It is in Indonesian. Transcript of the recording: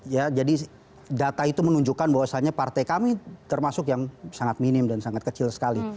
ya jadi data itu menunjukkan bahwasannya partai kami termasuk yang sangat minim dan sangat kecil sekali